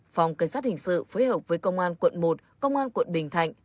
phòng cảnh sát hình sự phối hợp với công an quận một công an quận bình thạnh